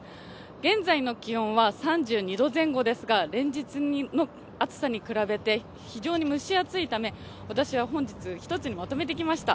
現在の気温は３２度前後ですが連日に暑さに比べて非常に蒸し暑いため、私は本日、一つにまとめてきました。